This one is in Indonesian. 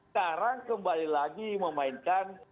sekarang kembali lagi memainkan